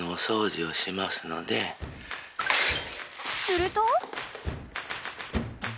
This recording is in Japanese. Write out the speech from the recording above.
［すると］